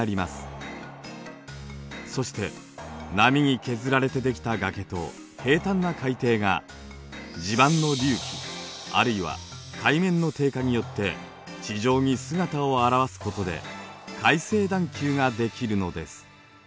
そして波に削られてできた崖と平坦な海底が地盤の隆起あるいは海面の低下によって地上に姿をあらわすことで海成段丘ができるのです。